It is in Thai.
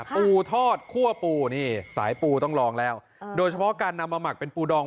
ปูทอดคั่วปูนี่สายปูต้องลองแล้วโดยเฉพาะการนำมาหมักเป็นปูดอง